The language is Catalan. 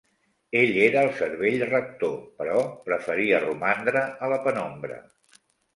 Ell era el cervell rector, però preferia romandre a la penombra.